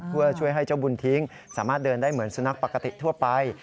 เพื่อช่วยให้เจ้าบุญทิ้งสามารถเดินได้เหมือนสุนัขปกติทั่วไป